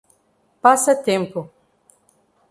Passa Tempo